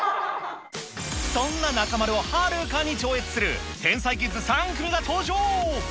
そんな中丸をはるかに超越する、天才キッズ３組が登場。